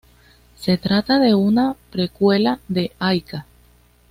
Se trata de una precuela de "Aika".